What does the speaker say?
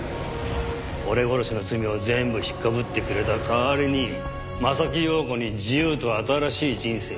俺殺しの罪を全部ひっかぶってくれた代わりに柾庸子に自由と新しい人生を提供した。